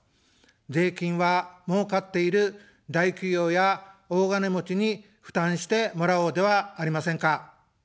税金はもうかっている大企業や大金持ちに負担してもらおうではありませんか。